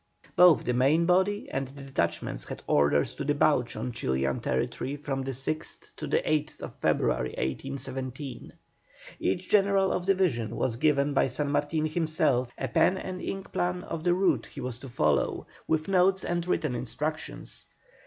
Both the main body and the detachments had orders to debouch on Chilian territory from the 6th to the 8th February, 1817. Each general of division was given by San Martin himself a pen and ink plan of the route he was to follow, with notes and written instructions.